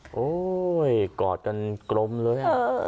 โอ้โหกอดกันกลมเลย